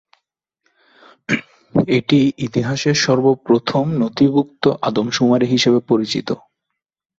এটি ইতিহাসের সর্বপ্রথম নথিভুক্ত আমদশুমারি হিসেবে পরিচিত।